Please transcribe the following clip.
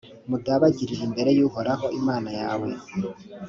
mudabagirire imbere y’uhoraho imana yawe,